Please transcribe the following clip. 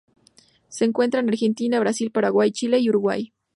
Se encuentra en Argentina, Brasil, Paraguay, Chile y Uruguay.